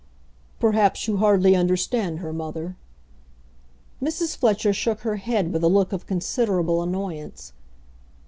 "Perhaps you hardly understand her, mother." Mrs. Fletcher shook her head with a look of considerable annoyance.